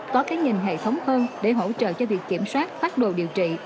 có cái nhìn hệ thống hơn để hỗ trợ cho việc kiểm soát phát đồ điều trị